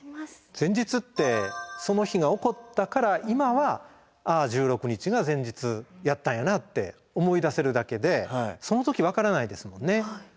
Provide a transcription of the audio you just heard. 前日ってその日が起こったから今は「あ１６日が前日やったんやな」って思い出せるだけでその時分からないですもんね。